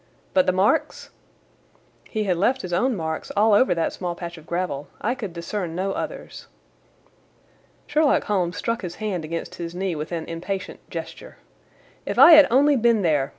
But the marks?" "He had left his own marks all over that small patch of gravel. I could discern no others." Sherlock Holmes struck his hand against his knee with an impatient gesture. "If I had only been there!"